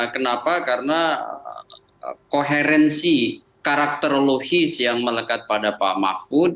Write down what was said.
kenapa karena koherensi karakterologis yang melekat pada pak mahfud